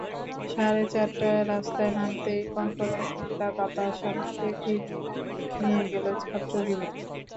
সাড়ে চারটায় রাস্তায় নামতেই কনকনে ঠান্ডা বাতাস আমাকে ফিরিয়ে নিয়ে গেল ছাত্রজীবনে।